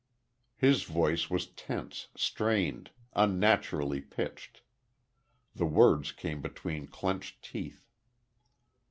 His voice was tense, strained, unnaturally pitched. The words came between clenched teeth.